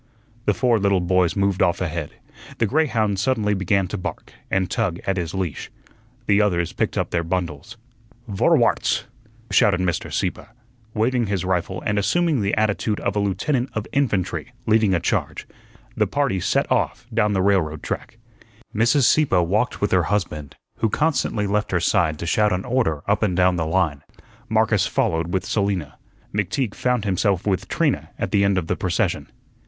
The four little boys moved off ahead; the greyhound suddenly began to bark, and tug at his leash. The others picked up their bundles. "Vorwarts!" shouted Mr. Sieppe, waving his rifle and assuming the attitude of a lieutenant of infantry leading a charge. The party set off down the railroad track. Mrs. Sieppe walked with her husband, who constantly left her side to shout an order up and down the line. Marcus followed with Selina. McTeague found himself with Trina at the end of the procession.